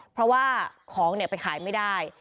เพราะว่าของไปขายไม่ได้